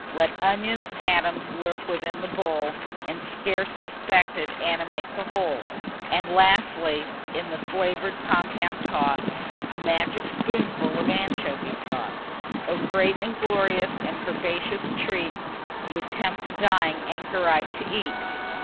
Let onion's atoms lurk within the bowl, And, scarce suspected, animate the whole; And, lastly, in the flavour'd compound toss A magic spoonful of anchovy sauce. Oh! great and glorious, and herbaceous treat, 'Twould tempt the dying anchorite to eat.